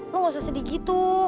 lo gak usah sedih gitu